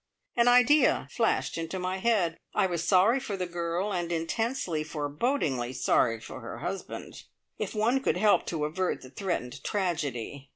An idea flashed into my head. I was sorry for the girl, and intensely, forebodingly sorry for her husband. If one could help to avert the threatened tragedy.